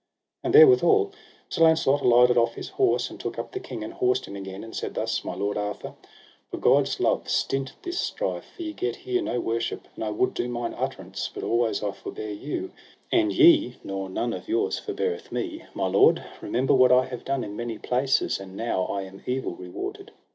And therewithal Sir Launcelot alighted off his horse and took up the king and horsed him again, and said thus: My lord Arthur, for God's love stint this strife, for ye get here no worship, and I would do mine utterance, but always I forbear you, and ye nor none of yours forbeareth me; my lord, remember what I have done in many places, and now I am evil rewarded.